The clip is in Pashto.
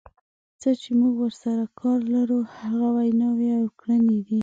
څه چې موږ ورسره کار لرو هغه ویناوې او کړنې دي.